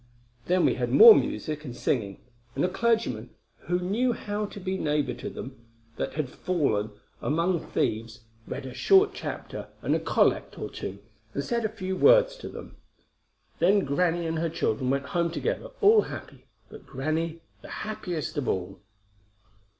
Then we had more music and singing; and a clergyman, who knew how to be neighbor to them that had fallen among thieves, read a short chapter and a collect or two, and said a few words to them. Then grannie and her children went home together, all happy, but grannie the happiest of them all."